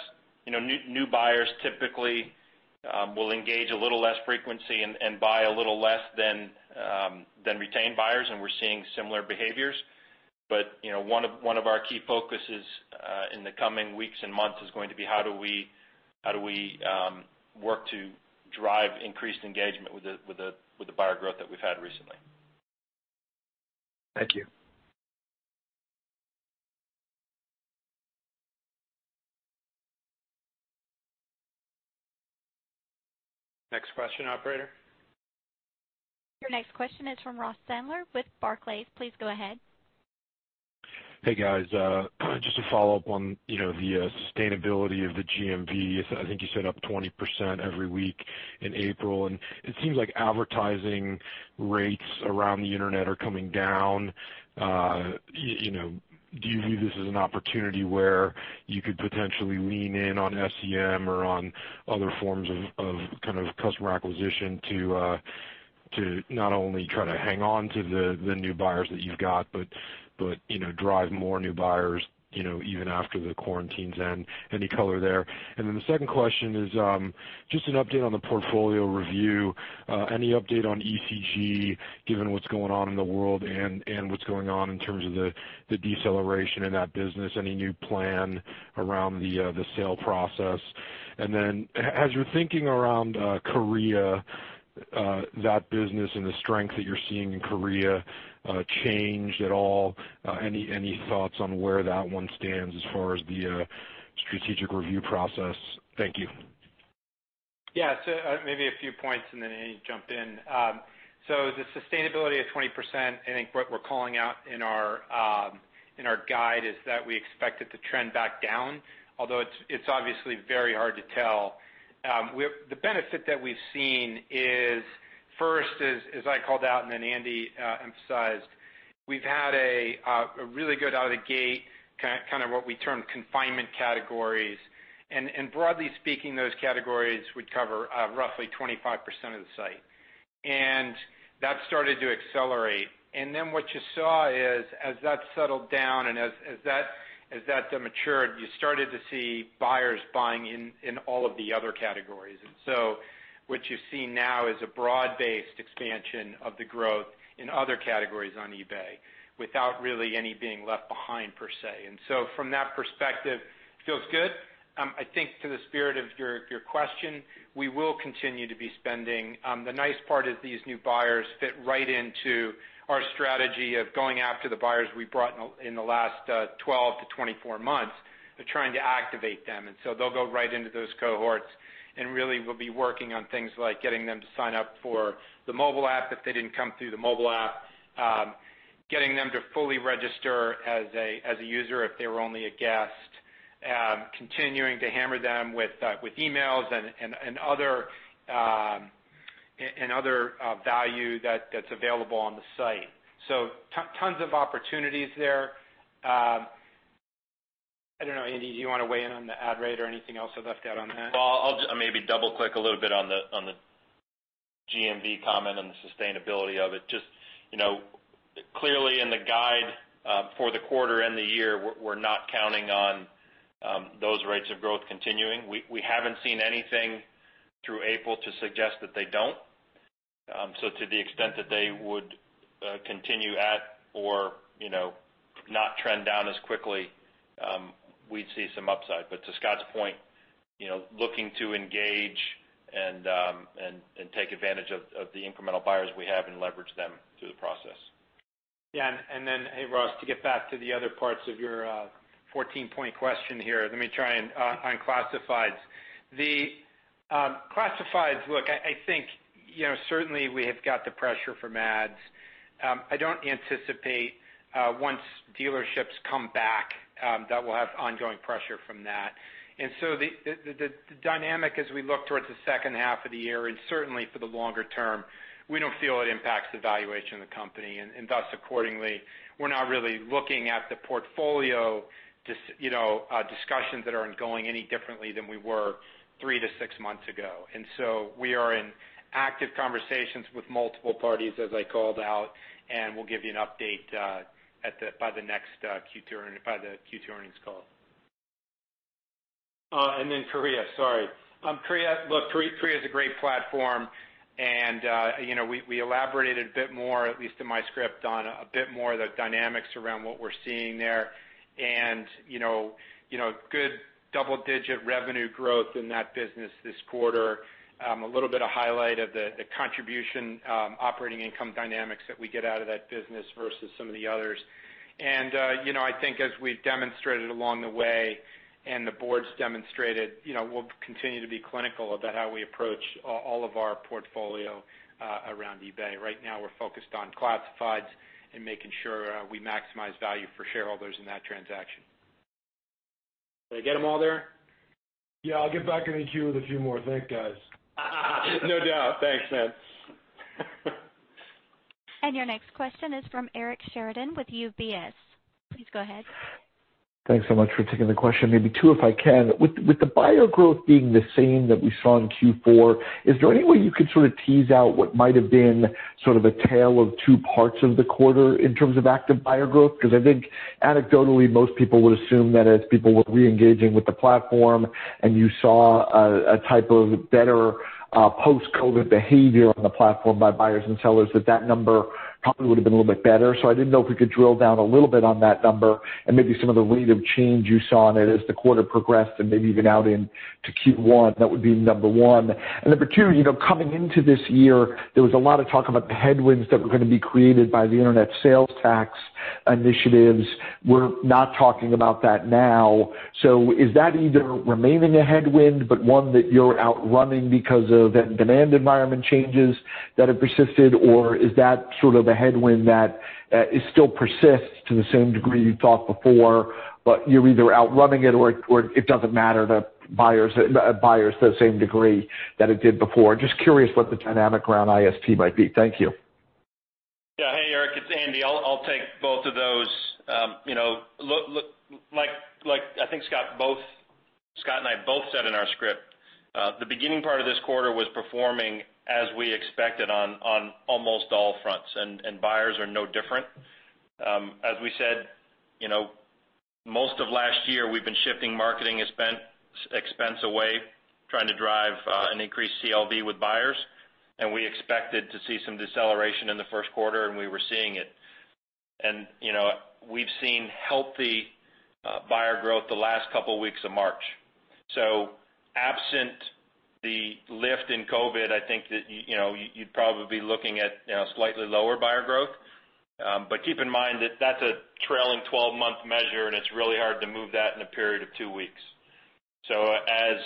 Speaker 4: New buyers typically will engage a little less frequency and buy a little less than retained buyers, and we're seeing similar behaviors. One of our key focuses in the coming weeks and months is going to be how do we work to drive increased engagement with the buyer growth that we've had recently.
Speaker 6: Thank you.
Speaker 5: Next question, operator.
Speaker 1: Your next question is from Ross Sandler with Barclays. Please go ahead.
Speaker 7: Hey, guys. Just to follow up on the sustainability of the GMV. I think you said up 20% every week in April. It seems like advertising rates around the internet are coming down. Do you view this as an opportunity where you could potentially lean in on SEM or on other forms of kind of customer acquisition to not only try to hang on to the new buyers that you've got, but drive more new buyers even after the quarantines end? Any color there? The second question is just an update on the portfolio review. Any update on ECG given what's going on in the world and what's going on in terms of the deceleration in that business? Any new plan around the sale process? As you're thinking around Korea, that business and the strength that you're seeing in Korea change at all? Any thoughts on where that one stands as far as the strategic review process? Thank you.
Speaker 4: Yeah. Maybe a few points and then Andy can jump in. The sustainability of 20%, I think what we're calling out in our guide is that we expect it to trend back down, although it's obviously very hard to tell. The benefit that we've seen is first, as I called out and then Andy emphasized, we've had a really good out of the gate, kind of what we term confinement categories. Broadly speaking, those categories would cover roughly 25% of the site. That started to accelerate. What you saw is as that settled down and as that matured, you started to see buyers buying in all of the other categories. What you see now is a broad-based expansion of the growth in other categories on eBay without really any being left behind per se. From that perspective, it feels good. I think to the spirit of your question, we will continue to be spending. The nice part is these new buyers fit right into our strategy of going after the buyers we brought in the last 12-24 months, but trying to activate them. They'll go right into those cohorts, and really we'll be working on things like getting them to sign up for the mobile app if they didn't come through the mobile app, getting them to fully register as a user if they were only a guest, continuing to hammer them with emails and other value that's available on the site. Tons of opportunities there. I don't know, Andy, do you want to weigh in on the ad rate or anything else I left out on that?
Speaker 5: I'll maybe double-click a little bit on the GMV comment and the sustainability of it. Clearly in the guide for the quarter and the year, we're not counting on those rates of growth continuing. We haven't seen anything through April to suggest that they don't. To the extent that they would continue at or not trend down as quickly, we'd see some upside. To Scott's point, looking to engage and take advantage of the incremental buyers we have and leverage them through the process.
Speaker 4: Yeah. Hey, Ross, to get back to the other parts of your 14-point question here. Let me try on classifieds. The classifieds, look, I think certainly we have got the pressure from ads. I don't anticipate once dealerships come back, that we'll have ongoing pressure from that. The dynamic as we look towards the second half of the year and certainly for the longer term, we don't feel it impacts the valuation of the company. Accordingly, we're not really looking at the portfolio discussions that aren't going any differently than we were three to six months ago. We are in active conversations with multiple parties, as I called out, and we'll give you an update by the Q2 earnings call. Korea, sorry. Look, eBay is a great platform. We elaborated a bit more, at least in my script, on a bit more of the dynamics around what we're seeing there. Good double-digit revenue growth in that business this quarter. A little bit of highlight of the contribution operating income dynamics that we get out of that business versus some of the others. I think as we've demonstrated along the way, and the board's demonstrated, we'll continue to be clinical about how we approach all of our portfolio around eBay. Right now, we're focused on classifieds and making sure we maximize value for shareholders in that transaction. Did I get them all there?
Speaker 7: Yeah, I'll get back in the queue with a few more. Thank guys.
Speaker 4: No doubt. Thanks, man.
Speaker 1: Your next question is from Eric Sheridan with UBS. Please go ahead.
Speaker 8: Thanks so much for taking the question. Maybe two, if I can. With the buyer growth being the same that we saw in Q4, is there any way you could sort of tease out what might have been sort of a tale of two parts of the quarter in terms of active buyer growth? Because I think anecdotally, most people would assume that as people were re-engaging with the platform and you saw a type of better post-COVID-19 behavior on the platform by buyers and sellers, that that number probably would've been a little bit better. I didn't know if we could drill down a little bit on that number and maybe some of the rate of change you saw in it as the quarter progressed and maybe even out into Q1. That would be number one. Number two, coming into this year, there was a lot of talk about the headwinds that were going to be created by the internet sales tax initiatives. We're not talking about that now. Is that either remaining a headwind, but one that you're outrunning because of the demand environment changes that have persisted, or is that sort of a headwind that still persists to the same degree you thought before, but you're either outrunning it or it doesn't matter to buyers to the same degree that it did before? Just curious what the dynamic around IST might be. Thank you.
Speaker 5: Hey, Eric, it's Andy. I'll take both of those. I think Scott and I both said in our script, the beginning part of this quarter was performing as we expected on almost all fronts, and buyers are no different. As we said, most of last year we've been shifting marketing expense away, trying to drive an increased CLV with buyers, and we expected to see some deceleration in the first quarter, and we were seeing it. We've seen healthy buyer growth the last couple weeks of March. Absent the lift in COVID-19, I think that you'd probably be looking at slightly lower buyer growth. Keep in mind that's a trailing 12-month measure, and it's really hard to move that in a period of two weeks. As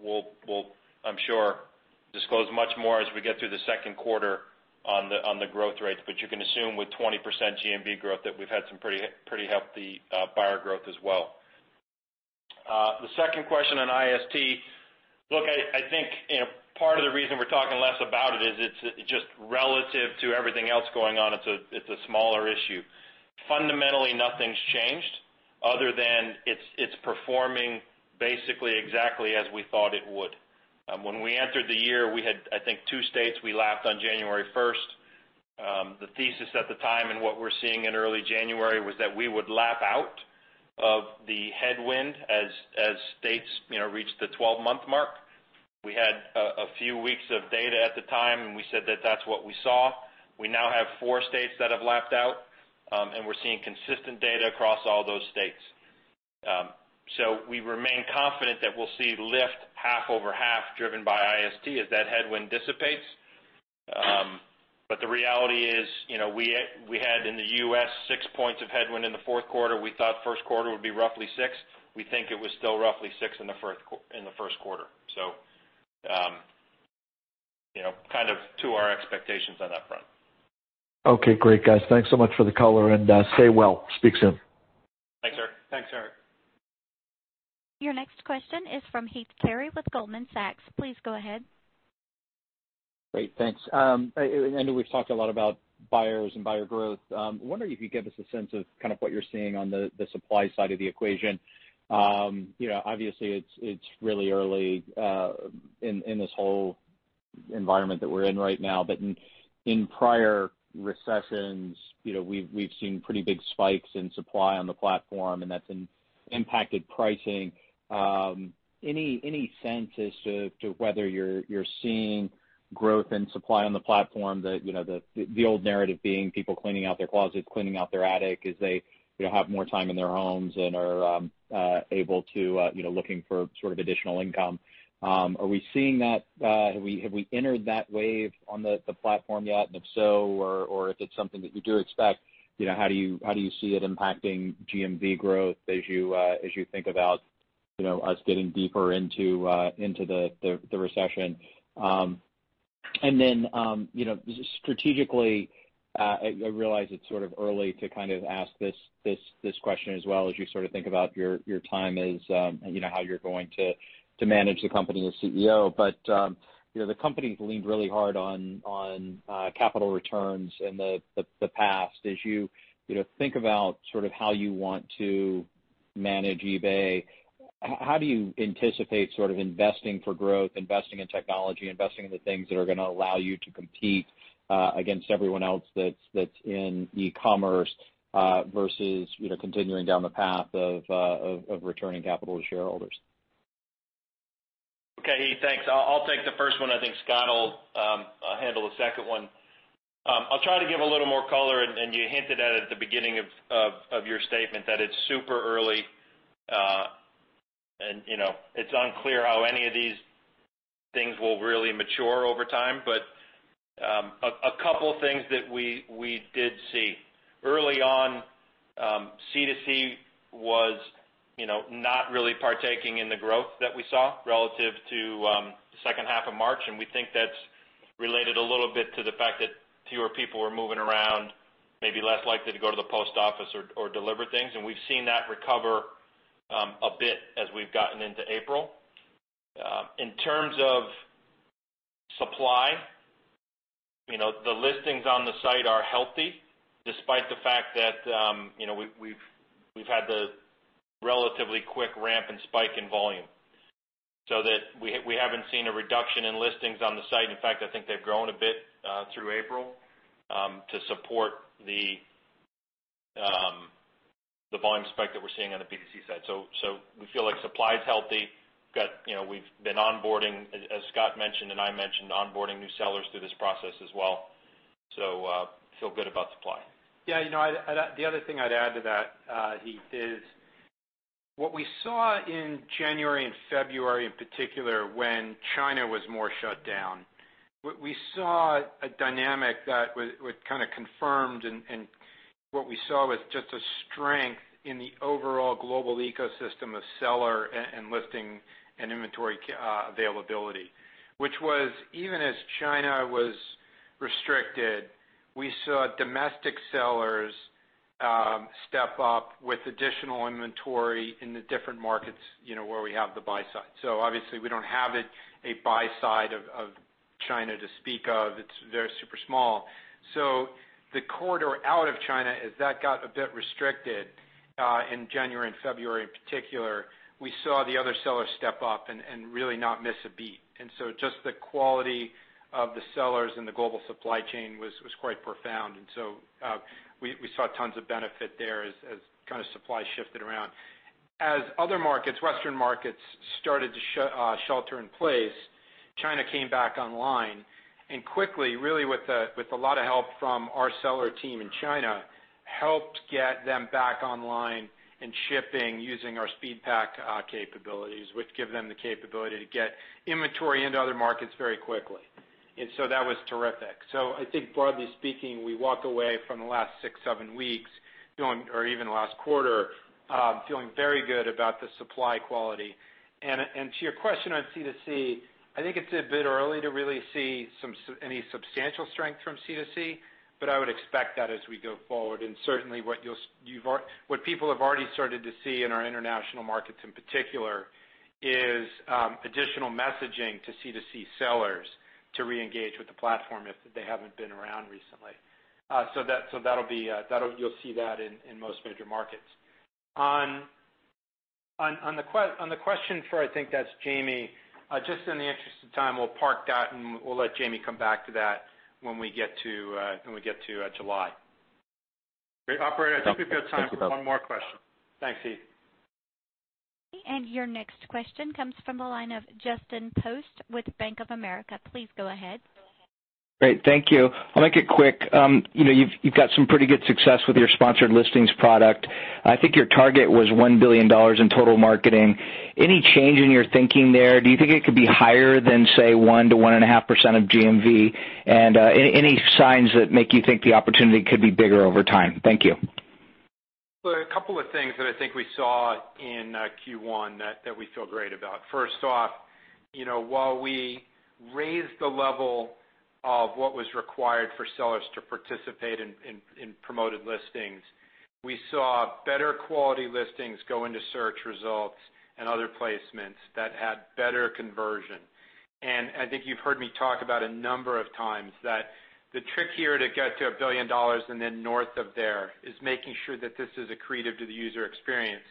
Speaker 5: we'll, I'm sure, disclose much more as we get through the second quarter on the growth rates. You can assume with 20% GMV growth that we've had some pretty healthy buyer growth as well. The second question on IST, look, I think part of the reason we're talking less about it is it's just relative to everything else going on. It's a smaller issue. Fundamentally, nothing's changed, other than it's performing basically exactly as we thought it would. When we entered the year, we had, I think, two states we lapped on January 1st. The thesis at the time and what we're seeing in early January was that we would lap out of the headwind as states reached the 12-month mark. We had a few weeks of data at the time, and we said that that's what we saw. We now have 4 states that have lapped out, and we're seeing consistent data across all those states. We remain confident that we'll see lift half-over-half driven by IST as that headwind dissipates. The reality is, we had in the U.S., six points of headwind in the fourth quarter. We thought first quarter would be roughly six. We think it was still roughly six in the first quarter. To our expectations on that front.
Speaker 8: Okay, great, guys. Thanks so much for the color and stay well. Speak soon.
Speaker 5: Thanks, Eric.
Speaker 4: Thanks, Eric.
Speaker 1: Your next question is from Heath Terry with Goldman Sachs. Please go ahead.
Speaker 9: Great. Thanks. I know we've talked a lot about buyers and buyer growth. I wonder if you could give us a sense of what you're seeing on the supply side of the equation. Obviously, it's really early in this whole environment that we're in right now. In prior recessions, we've seen pretty big spikes in supply on the platform, and that's impacted pricing. Any sense as to whether you're seeing growth in supply on the platform? The old narrative being people cleaning out their closet, cleaning out their attic as they have more time in their homes and are able to looking for sort of additional income. Are we seeing that? Have we entered that wave on the platform yet? If so, or if it's something that you do expect, how do you see it impacting GMV growth as you think about us getting deeper into the recession? Then strategically, I realize it's sort of early to ask this question as well as you think about your time as how you're going to manage the company as CEO. The company's leaned really hard on capital returns in the past. As you think about how you want to manage eBay, how do you anticipate investing for growth, investing in technology, investing in the things that are going to allow you to compete against everyone else that's in e-commerce versus continuing down the path of returning capital to shareholders?
Speaker 5: Okay, Heath, thanks. I'll take the first one. I think Scott will handle the second one. I'll try to give a little more color, and you hinted at it at the beginning of your statement that it's super early. It's unclear how any of these things will really mature over time. A couple of things that we did see. Early on, C2C was not really partaking in the growth that we saw relative to the second half of March, and we think that's related a little bit to the fact that fewer people were moving around, maybe less likely to go to the post office or deliver things. We've seen that recover a bit as we've gotten into April. In terms of supply, the listings on the site are healthy, despite the fact that we've had the relatively quick ramp and spike in volume. That we haven't seen a reduction in listings on the site. In fact, I think they've grown a bit through April to support the volume spike that we're seeing on the B2C side. We feel like supply is healthy. We've been onboarding, as Scott mentioned, and I mentioned, onboarding new sellers through this process as well. Feel good about supply.
Speaker 4: Yeah. The other thing I'd add to that, Heath, is what we saw in January and February, in particular, when China was more shut down. We saw a dynamic that kind of confirmed and what we saw was just a strength in the overall global ecosystem of seller and listing and inventory availability. Which was even as China was restricted, we saw domestic sellers step up with additional inventory in the different markets where we have the buy side. Obviously we don't have a buy side of China to speak of. It's very super small. The corridor out of China, as that got a bit restricted in January and February in particular, we saw the other sellers step up and really not miss a beat. Just the quality of the sellers and the global supply chain was quite profound. We saw tons of benefit there as supply shifted around. As other markets, Western markets, started to shelter in place, China came back online and quickly, really with a lot of help from our seller team in China helped get them back online and shipping using our SpeedPAK capabilities, which give them the capability to get inventory into other markets very quickly. That was terrific. I think broadly speaking, we walk away from the last six, seven weeks, or even last quarter, feeling very good about the supply quality. To your question on C2C, I think it's a bit early to really see any substantial strength from C2C, but I would expect that as we go forward. Certainly what people have already started to see in our international markets in particular is additional messaging to C2C sellers to reengage with the platform if they haven't been around recently. You'll see that in most major markets. On the question for, I think that's Jamie, just in the interest of time, we'll park that and we'll let Jamie come back to that when we get to July. Great. Operator, I think we've got time for one more question. Thanks, Heath.
Speaker 1: Your next question comes from the line of Justin Post with Bank of America. Please go ahead.
Speaker 10: Great. Thank you. I'll make it quick. You've got some pretty good success with your Promoted Listings product. I think your target was $1 billion in total marketing. Any change in your thinking there? Do you think it could be higher than, say, 1%-1.5% of GMV? Any signs that make you think the opportunity could be bigger over time? Thank you.
Speaker 4: Well, a couple of things that I think we saw in Q1 that we feel great about. First off, while we raised the level of what was required for sellers to participate in Promoted Listings, we saw better quality listings go into search results and other placements that had better conversion. I think you've heard me talk about a number of times that the trick here to get to $1 billion and then north of there is making sure that this is accretive to the user experience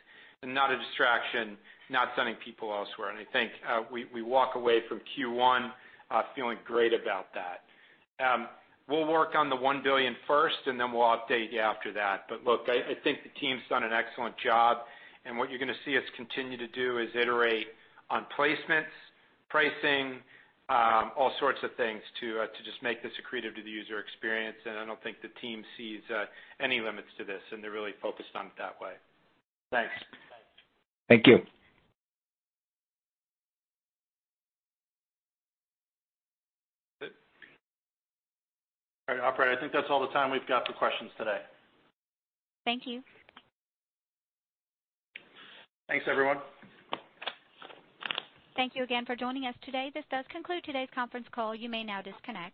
Speaker 4: and not a distraction, not sending people elsewhere. I think we walk away from Q1 feeling great about that. We'll work on the $1 billion first, and then we'll update you after that. Look, I think the team's done an excellent job, and what you're going to see us continue to do is iterate on placements, pricing, all sorts of things to just make this accretive to the user experience. I don't think the team sees any limits to this, and they're really focused on it that way. Thanks.
Speaker 10: Thank you.
Speaker 4: All right. Operator, I think that's all the time we've got for questions today.
Speaker 1: Thank you.
Speaker 4: Thanks, everyone.
Speaker 1: Thank you again for joining us today. This does conclude today's conference call. You may now disconnect.